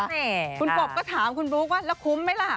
นี่คุณกบก็ถามคุณบลุ๊กว่าแล้วคุ้มไหมล่ะ